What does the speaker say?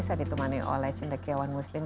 saya ditemani oleh cendekiawan muslim